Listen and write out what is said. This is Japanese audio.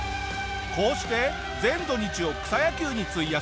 こうして全土日を草野球に費やすヤマザキさん。